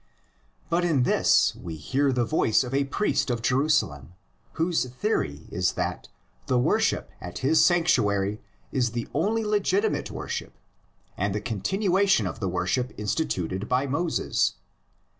But in this we hear the voice of a priest of Jeru salem, whose theory is that the worship at his sanc tuary is the only legitimate worship and the continuation of the worship instituted by Moses.